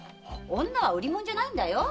女は売り物じゃないんだよ。